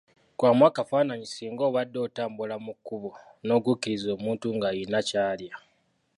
Kubamu akafaananyi singa obadde otambula mu kkubo n'ogwikiriza omuntu ng'alina ky'alya!